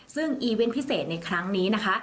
ซึ่งอีเวนต์พิเศษในครั้งนี้นะคะ